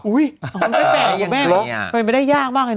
อุ้ยมันไม่ได้แปลกอย่างแบบนี้อ่ะ